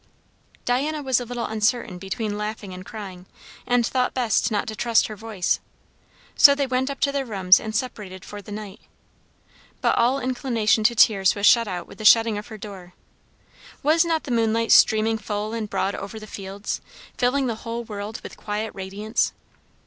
Diana was a little uncertain between laughing and crying, and thought best not to trust her voice. So they went up to their rooms and separated for the night. But all inclination to tears was shut out with the shutting of her door. Was not the moonlight streaming full and broad over all the fields, filling the whole world with quiet radiance?